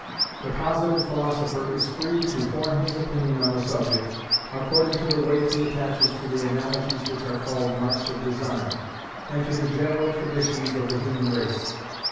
The Positive philosopher is free to form his opinion on the subject, according to the weight he attaches to the analogies which are called marks of design, and to the general traditions of the human race.